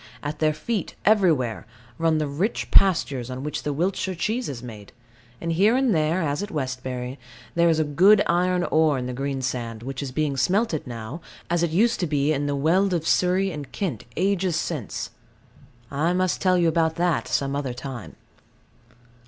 At their feet, everywhere, run the rich pastures on which the Wiltshire cheese is made; and here and there, as at Westbury, there is good iron ore in the greensand, which is being smelted now, as it used to be in the Weald of Surrey and Kent ages since. I must tell you about that some other time.